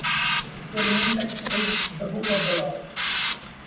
Their main text is "The Book of the Law".